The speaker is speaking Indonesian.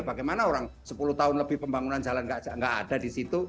bagaimana orang sepuluh tahun lebih pembangunan jalan nggak ada di situ